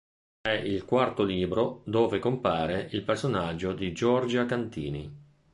È il quarto libro dove compare il personaggio di Giorgia Cantini.